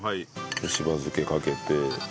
しば漬けかけて。